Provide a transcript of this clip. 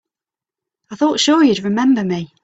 I thought sure you'd remember me.